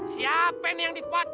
siapa yang difoto nih